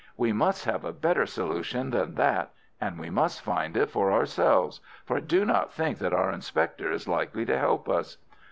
We must have a better solution than that, and we must find it for ourselves, for I do not think that our inspector is likely to help us.